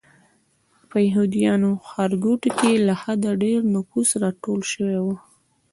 په یهودیانو ښارګوټي کې له حده ډېر نفوس راټول شوی و.